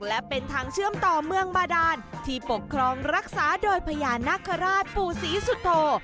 และเป็นทางเชื่อมต่อเมืองบาดานที่ปกครองรักษาโดยพญานาคาราชปู่ศรีสุโธ